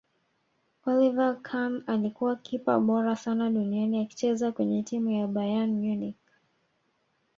oliver khan alikuwa kipa bora sana duniani akicheza kwenye timu ya bayern munich